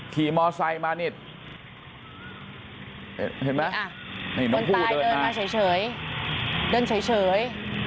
ขี่มอสไซด์มานิดเห็นไหมน้องผู้เดินมาเดินเฉยเฉย